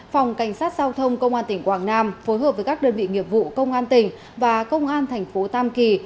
phòng cảnh sát giao thông công an tp quảng nam phối hợp với các đơn vị nghiệp vụ công an tp và công an tp tam kỳ